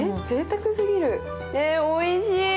おいしい！